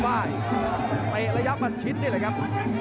ไว้ละยังจับมาชิดทีนี่แหละครับ